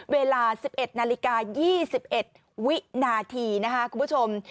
เวลา๑๑นาฬิกา๒๑วินาทีนะคะคุณผู้ชม